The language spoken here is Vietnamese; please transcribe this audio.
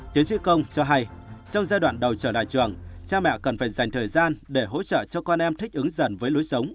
tiến sĩ công cho hay trong giai đoạn đầu trở lại trường cha mẹ cần phải dành thời gian để hỗ trợ cho con em thích ứng dần với lối sống